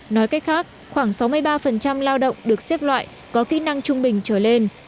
nói cách khác khoảng sáu mươi ba lao động được xếp loại có kỹ năng trung bình trở lên